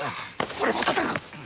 俺も戦う！